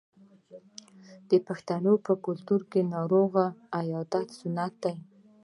د پښتنو په کلتور کې د ناروغ عیادت سنت دی.